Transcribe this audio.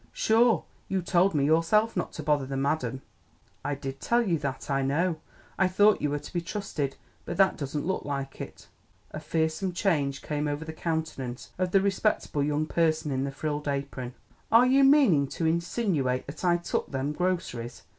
"Sure, you told me yourself not to bother the madame." "I did tell you that, I know. I thought you were to be trusted, but this doesn't look like it." A fearsome change came over the countenance of the respectable young person in the frilled apron. "Are you meaning to insinooate that I took them groceries?"